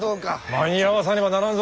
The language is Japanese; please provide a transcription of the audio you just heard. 間に合わさねばならんぞ。